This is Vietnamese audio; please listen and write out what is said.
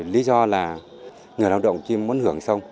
lý do là người lao động chỉ muốn hưởng xong